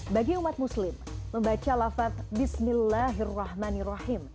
bagi umat muslim membaca lafat bismillahirrahmanirrahim